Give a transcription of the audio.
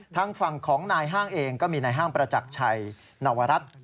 ทางฝั่งของนายห้างเองก็มีนายห้างประจักรชัยนวรัฐ